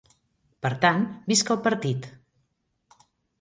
Per tant, visca el partit!